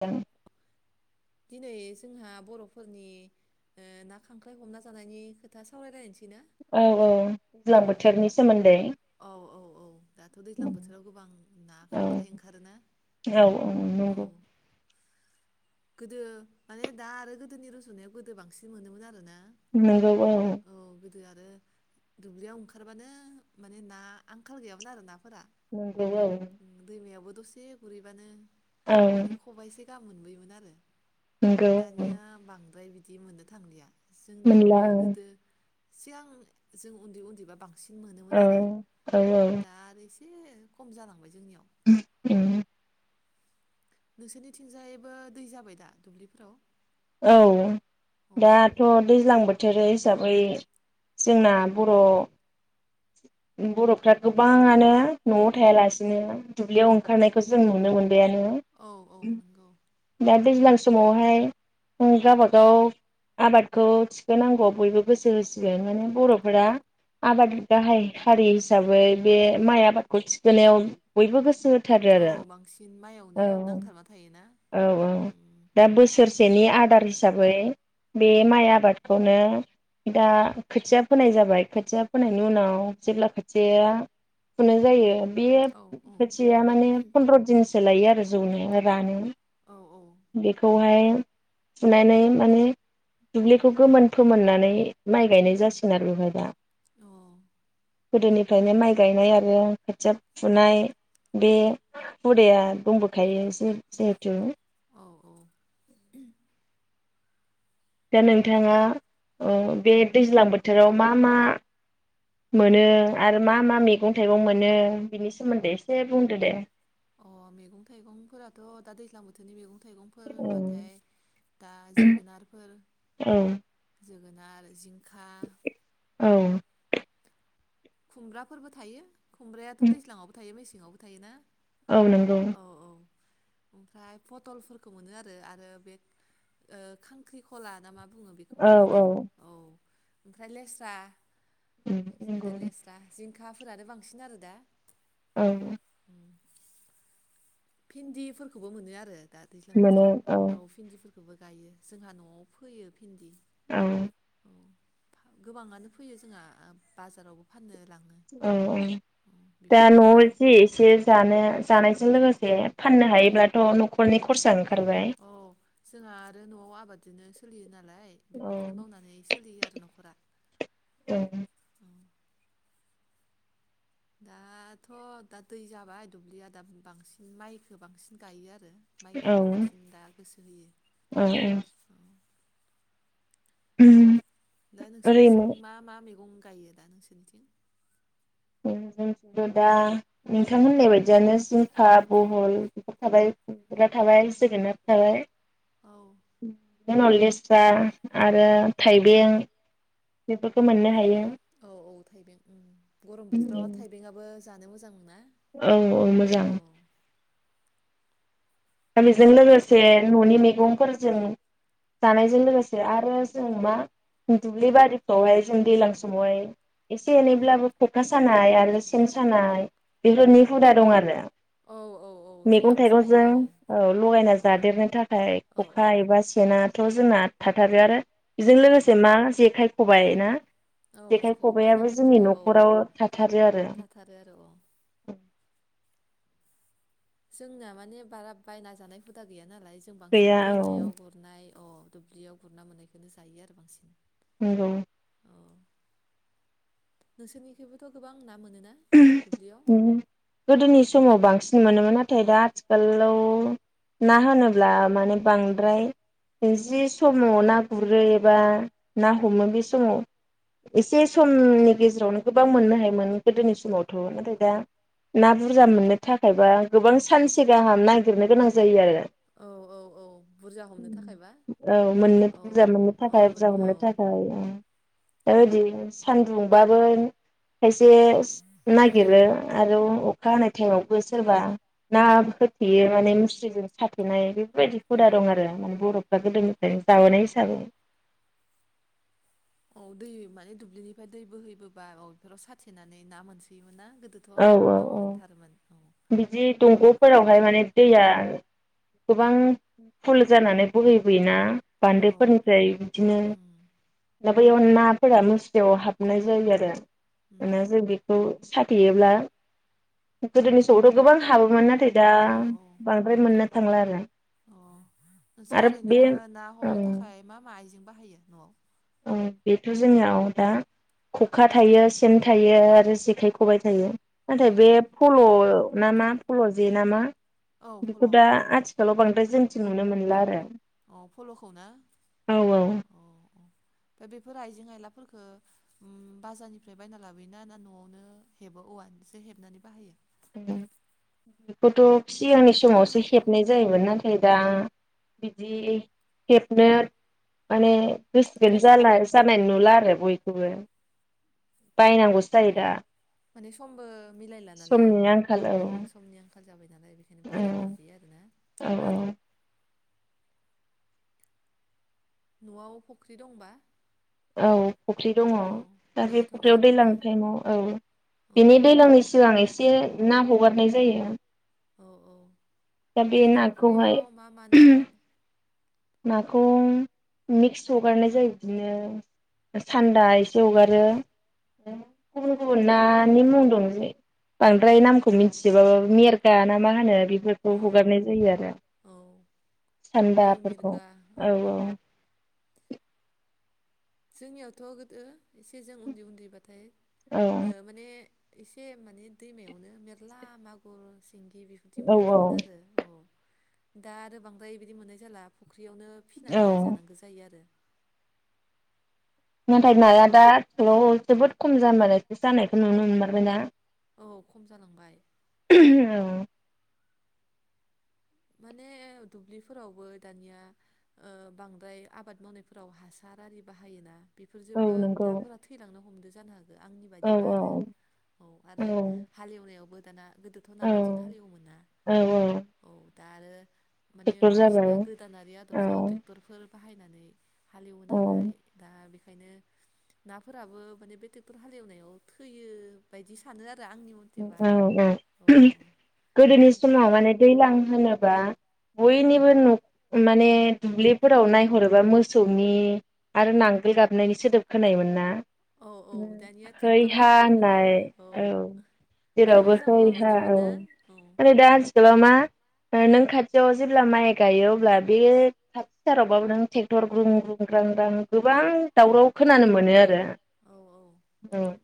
औ दिनै ओ जोंहा बर'फोरनि ओ ना खांख्राइ हमना जानायनि खोथा सावरायलायनोसै। ना? औ औ दैज्लां अ बोथोरनि सोमोन्दै औ औ औ दाथ' दैज्लां बोथोराव गोबां ना औ खांख्राय ओंखारोना औ औ नंगौ गोदो माने दा आरो गोदोनि रजुनायाव गोदो बांसिन मोनोमोन आरो ना नंगौ औ गोदो आरो दुब्लियाव ओंखारबानो माने ना आंखाल गैयामोन आरो ना नंगौ औ दैमायावबो दसे गुरहैबानो औ माने खबाय से गाहाम मोनबोयोमोन आरो नंगौ औ दानिया बांद्राय बिद बिदि मोननो थांलिया मोनला जोंनियावबो औ गोदो सिगां जों उन्दै उन्दैबा बाग सिन औ मोनोमोन आरो औ दा आरो इसे ए खम जालांबाय जोंनियाव [unintelligible] नोंसोरनिथिंजायबो दै जाबाय दा दुब्लिफोराव औ औ दाथ' दैज्लां बोथ थोरै हिसाबै जोंना बर' बर'फ्रा गोबाङानो न'आव थायालासिनो दुब्लियाव ओंखारनायखौ जों नुनो मोनो। बेनो औ औ नंगौ [unintelligible] दैज्लां समावहाय गावबागाव आबादखौ थिखोनांगौ बयबो गोसो होसिगोन माने बर'फोरा आबाद गाहाय हारि हिसाबै बे माइ आबादखौ थिखोनायाव बयबो गोस औ बांसिन माइआवनो औ नांथाबना थायोना। सेनि आदार हिसाबै बे माइ आबादखौनो दा खोथिया फोनाय जाबाय खोथिया फोनाय बिनि उनाव जेब्ला खोथिया फुनो जायो बे औ औ खोथिया माने फन्द्र दिनस सोलायो आरो ज'नो रानो औ औ बेखौहाय फुनानै माने दुब्लिखौ गोमोन फोमोननानै माइ गायनाय जासिगोन आरो बेवहाय दा औ गोदोनिफ्रायनो माइ गायनाय आरो खोथिया फुनाय बे हुदाया दंबोखायो जि जिहेथु औ औ दा नोंथाङा अ बे दैज्लां बोथोराव मा मा मोनो आरो मा मा मैगं थाइगं मोनो बेनि सोमोन्दै एसे बुंदो दे। अ मैगं थाइगंफोराथ दा दैज्लां बोथोरनि मैगं थायगंफोर औ होनबाथाय दा जोगोनारफोर औ जोगोनार जिंखा औ। खुमब्राफोरबो थायो। खुमब्रायाथ दैज्लाङावबो थायो मेसे सेङावबो थायोना। औ नंगौ। औ औ ओमफ्राय पटलफोरखौ मोनो आरो आरो बे ओ खांख्रिखला ना मा बुङो बेखौबो मोनो औ। ओमफ्राय लेस्रा। उ बांसिन दा नंगौ। लेस्रा जिंखाफोरानो बांसिन आरो दा। औ। उम भिन्दिफोरखौबो मोनो आरो। दा दैज्लां बोथोराव औ भिन्दिफोर खौबो गायो जोंहा न'आव फोयो भिन्दि औ। औ गोबाङानो फैयो जोंहा बाजारावबो फानो। औ औ दा न'आव बेफोरखौनो जे एसे जानो जानायजों लोगोसे से फाननो हायोब्लाथ' न'खरनि खरसा ओं औ जोंहा आरो न'आव आबाद दिनो सोलियोना लाय औ बेफोरखौनो मावनानै सोलियो आरो न'खरा औ औ। दाथ' दा दै जाबाय दुब्लिया दा बांसिन माइखो बांसिन गायो आरो। माइ औ गायनायाव बांसिन दा गोसो होयो औ। उम। दा नोंसोरनिथिं मा-मा मैगं गायो दा नोंसोरनिथिं औ जोंनिथिं थ दा नोंथां होननाय बायदियानो जिंखा बहल बेफोर थाबाय खुमब्रा थाबाय जोगोनार थाबाय। औ उम। जोंनाव लेस्रा आरो थाइबें। बेफोरखौ मोननो हायो। औ औ थाइबें गरम बोथोराव थाइबेंआबो जानो मोजां मोना औ औ मोजां। औ दा बेजों लोगोसे न'नि मेगंफोरजों जानायजों लोगोसे आरो जों मा दुब्लि बारिफ्रावहाय जों दैज्लां समावहाय एसे एनैब्लाबो खखा सानाय आरो सेन सानाय बेफोरनि हुदा दं आरो। औ औ औ मैगं जोंहाबो थाइगंजों सायो। औ लगायना औ जादेरनो थाखाय औ औ खखा एबा सेना थ' जोंना थाथारो आरो बेजों उम लोगोसे मा जेखाइ खबाइ ना औ जेखाइ खबाइ खबाइयाबो जोंनि नांथारगौ औ न'खराव थाथारो आरो थाथारो आरो औ उम। जोंना माने बारा बायना जानाय हुदा गैया नालाय जों बांसिन गैया औ दैमायाव गुरनाय अ दुब्लियाव गुरना मोननायखौनो जायो आरो बांसिन। नोंगौ। अ नोंसोरनिखैबोथ' गोबां ना मोनो उम गोदोनि समाव बांसिन मोनोमोन नाथाय दा आथिखालाव ना होनोब्ला माने बांद्राय जि समाव ना गुरो एबा ना हमो बे समाव एसे समनि गेजेरावनो गोबां मोननो हायोमोन गोदोनि समावथ' नाथाय दा ना बुरजा मोननो थाखायबा गोबां सानसे गाहाम नागिरनो गोनां जायो आरो। औ औ औ बुरजा हमनो थाखायबा औ मोननो औ बुरजा मोननो औ थाखाय मोन बुरजा औ मोननो थाखाय ओं ओदि सान्दुंबाबो खायसे नायागिरो आरो अखा हानाय टाइमावबो सोरबा ना होथेयो माने मुस्रिजों साथेनाय बेफोरबायदि हुदा दं आरो माने बर'फ्रा गोदोनिफ्रायनो जाबोनाय हिसाबै। औ दै माने दुब्लिनिफ्राय दै बोहैबोबा बेफोराव साथेनानै ना मोनसोयोमोन ना। गोदोथ' औ औ गोबां औ मोनथारोमोन औ। फोरावहाय माने दैया गोबां फुल जानानै बोहैबोयोना औ बान्दोफोरनिफ्राय बिदिनो उम दा बैयाव नाफोरा मुस्रियाव हाबनाय जायो आरो। उम [unintelligible] बेखौ [unintelligible] थेयोब्ला गोदोनि समआवथ' गोबां हाबोमोन नाथाय दा औ औ बांद्राय मोननो थांला आरो। अ नोंसा आरो बे ओरैनो ना हमनो ओं थाखाय मा मा आइजें बाहायो न'आव? औ बेथ' जोंनियाव दा खखा थायो सेन थायो आरो जेखाइ खबाइ थायो। नाथाय अ बे फल' नामा फल' जे नामा औ फल' बेखौ दा आथि आथिखालाव बांद्राय जन्थि नुनो मोनला आरो। अ फल'खौ ना औ अ औ। दा बेफोर आइजें आयलाफोरखो ओम बाजारनिफ्राय बायना लाबोयोना ना न'आवनो हेबो औवानिसो हेबनानै बाहायो? ओं बेखौथ' फिस सिगांनि समावसो हेबनाय जायोमोन नाथाय हेबा बिदि हेबनो माने [inaudible] जलाामानि नुला आरो बयखौबो बायनांगौसो जायो दा। माने समबो मिलायला नालाय समनि आंखाल औ। अ समनि आंखाल जाबाय नालाय बेखायनो बायनानै लाबोयो आरोना। अ औ। न'आव फुख्रि दंबा औ फख्रि दङ अ दा बे बेहायथ' ना फख्रियाव दैज्लां दंना टाइमाव औ अ बिनि दैज्लांनि सिगां एसे एसे ना हगारनाय जायो। औ औ। दा बे ओरैनो नाखौहाय फुख्रियाव मा मा ना दं? नाखौ मिक्स हगारनाय जायो, बिदिनो सान्दा एसे हगारो गुबुन गुबुन नानि मुं दं बांद्राय नामखौ मिथिजोबाबो मेरगा ना मा होनो बे खौ औ हगारनाय जायो आरो औ सानदाब फोरखौ औ औ। जोंनियावथ' गोदो एसे जों उन्दै उन्दैबाथाय, औ ओ माने एसे माने दैमायावनो मेरला मागुर सिंगि बेफोरदि औ मोनोमोन औ आरो ओ। दा आरो बांद्राय बिदि मोननाय जाला फ ओंख्रियावनो औ फिनानै जानांगौ जायो आरो। नाथाय फख नाया दा खल' जोबोद खम जालायसो जानायखौ नुनो मोनमारबाय ना? औ खम जालांबाय। औ। माने दुब्लिफोरावबो दानिया बांद्राय आबाद मा? वनायफोराव हासार आरि बाहायोना? औ बेफोरजोबो नंगौ नाफोरा थैलांनो हमदो। जानो। आंनि औ बायदिबा आरो, औ आरो हालेवनायावबो दाना गोदोथ' औ नांगोलजोंनो हालेवोमोनना औ औ औ। दा आरो माने ट्रेक्टर जाबाय औ बायदिसिना गोदानारि आदब औ ज ट्रेक्टरफोर। बाहायनानै हालेवो औ नालाय दा बे ओंखायनो नाफोराबो माने बे ट्रेक्टर हालेवनायाव थैयो बायदि सानो आरो आंनि मथेबा औ औ गोदोनि समाव बेखायनो माने दैज्लां होनोबा, बयनिबो न' माने दुब्लिफोराव नायहरोबा मोसौनि आरो नांगोल गाबनायनि सोदोब खोनायोन ना? औ औ दानिया है ट्रेक्टर हा गाबनाय होननाय खोनायो औ माने जेरावबो हो मोजांबो हा औ मोनोमोन ना औ आरो दा, आथिखालाव मा नों खाथियाव जेब्ला माइ गायो अब्ला बे खाथि सारावबाबो नों ट्रेक्टर ग्रुं ग्रुं ग्रां ग्रां गोबां दावराव खोनानो मोनो आरो औ औ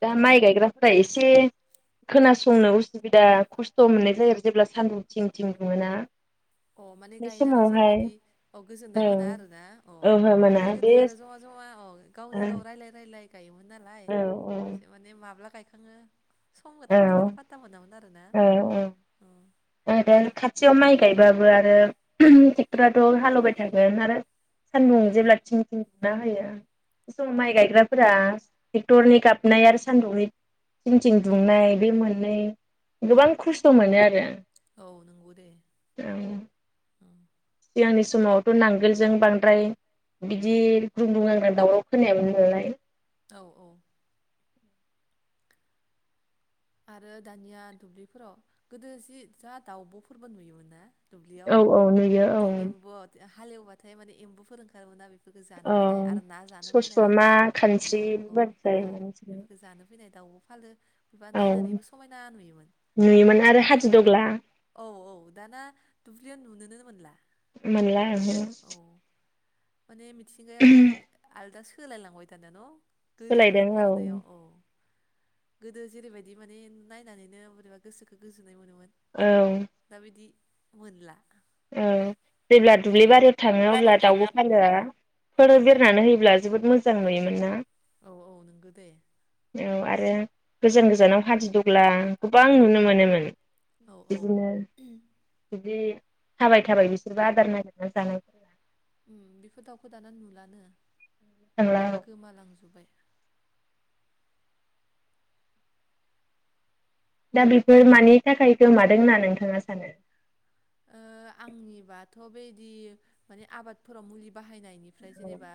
दा माइ गायग्राफोरा एसे, खोनासंनो उसुबिदा खस्थ' मोननाय जायो आरो जेब्ला सान्दुं थिं थिं दुङोना, अ माने बे गायनानै समावहाय जेरैबायदि अ गोजोननाय मोना ओं आरो ना अ ओहो मोना माने बे गोदो आरो जमा जमा अ गावनि औ गाव राय्लाय रायलाय, गायोमोन नालाय औ एसे माने माब्ला गाय खाङो समल औ थांनायखौनो फाथा मोनामोन आरोना औ आरो खाथियाव माइ गायबाबो आरो ट्रेक्टराथ' हालेवबाय थागोन आरो सान्दुं जेब्ला थिं थिं दुंना होयो बे समाव माइ गायग्राफोरा ट्रेक्टरनि गाबनाय आरो सानदुंनि थिं थिं दुंनाय बे मोननै गोबां खस्थ' मोनो आरो औ नंगौ दे सिगांनि समावथ' नांगोलजों बांद्राय बिदि ग्रुंग्रुं ग्रांग्रां दावराव खोनायामोन नालाय, औ औ आरो दानिया दुब्लिफोराव गोदो जि जा दाउब'फोरबो नुयोमोन ना? दुब्लियाव औ औ नुयो औ बिदि एम्बु हालेवबाथाय माने एम्बुफोर ओंखारोमोन [unintelligible] बेफोरखौ जानो औ फैनाय आरो ना जानो फैनाय सस्रमा खानस्रि औ औ बेबादि औ जायोमोन बेफोरखौ जानो फैनाय, दाउबो फालो बा औ नायनानैबो समायना नुयोमोन नुयोमोन आरो फोर हादिदग्ला औ औ दाना दुब्लियाव नुनो नो मोनला मोनला ओंहो औ माने मिथिंगायाबो आलदासो सोलायलांबाय थादों न' गोदोनि सोलायदों औ रुजुनायाव अ गोदो जेरैबायदि माने नायनानैनो बोरैबा गोसो गोजोन औ मोनला ओ जेब्ला दुब्लि बारियाव थाङो अब्ला दाउब' फालोया फोर औ बिरनानै होयोब्ला जोबोद मोजां मोजां नुयोमोन ना? औ औ नंगौ दे [inaudible] औ आरो गोजान गोजानाव हादिद'ग्ला गोबां नुनो मोनोमोन। औ औ बिदिनो बिदि थाबाय थाबाय बिसोरबो आदार नागिरना जानायफोरा उम बिफोर दाउखौ दाना नुलानो थांला गोमालांजोब्बाय। दा बेफोर मानि थाखाय गोमादों होनना नोंथाङा सानो? ओ आंनिबाथ' बेदि माने आबादफोराव मुलि बाहायनायनिफ्राय जेनेबा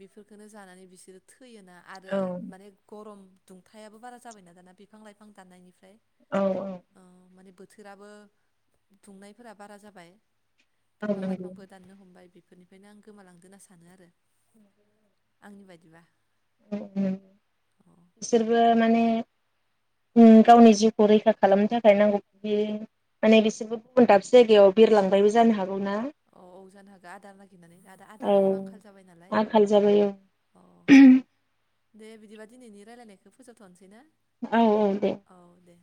बेफोरखौनो जानानै बिसोरो थै फैयोना आरो औ माने गरम दुंथायाबो बारा जाबायना दाना बिफां लाइफां दाननायनिफ्राय। औ औ। थोराबो दुंनायफोरा बारा जाबाय। औ बिफां नंगौ लाइफांबो दाननो हमबाय बि फोरनिफायनो आं गोमालांदो होनना सानो आरो आंनि बायदिबा। औ नोंगौ। अ बिसोरबो माने गावनि ओ जिउखौ रैखा खालामनो थाखाय नांगौ बियो माने बिसोरबो गुबुन दाब जायगायाव बिरलांबायबो जानो हा अ औ जानो हागौ आदार नागिरनानै आदा औ आदारनिबो आंखाल जाबाय नालाय आंखाल जाबाय औ अ दे बिदिबा दिनैनि रायलायनायखौ फोजोबथनोसै ना? औ औ दे। औ दे